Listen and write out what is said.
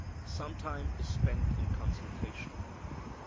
Some time is spent in consultation.